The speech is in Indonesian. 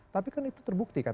tapi kan itu terbukti kan